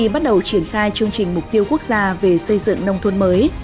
bắt đầu triển khai chương trình mục tiêu quốc gia về xây dựng nông thôn mới